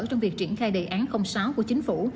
trong việc triển khai đề án sáu của chính phủ